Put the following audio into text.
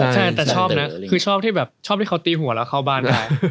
ใช่แต่ชอบนะคือชอบที่เขาตีหัวแล้วเข้าบ้าน